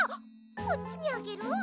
こっちにあげる？